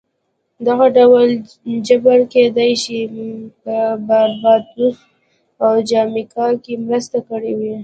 دغه ډول جبر کېدای شي په باربادوس او جامیکا کې مرسته کړې وي